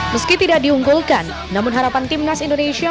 meski tidak diunggulkan namun harapan timnas indonesia